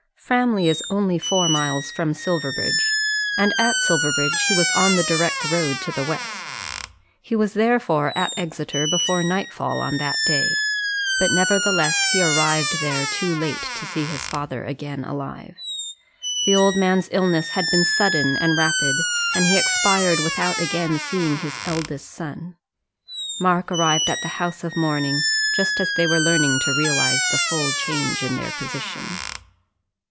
Framley is only four miles from Silverbridge, and at Silverbridge he was on the direct road to the west. He was therefore at Exeter before nightfall on that day. But nevertheless he arrived there too late to see his father again alive. The old man's illness had been sudden and rapid, and he expired without again seeing his eldest son. Mark arrived at the house of mourning just as they were learning to realize the full change in their position.